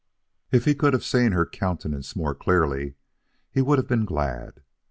If he could have seen her countenance more clearly, he would have been glad.